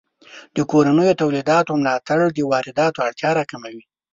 د کورنیو تولیداتو ملاتړ د وارداتو اړتیا راکموي.